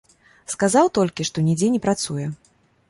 Сказаў толькі, што нідзе не працуе.